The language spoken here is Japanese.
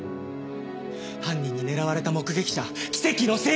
犯人に狙われた目撃者奇跡の生還！